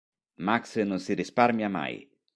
Max non si risparmia mai!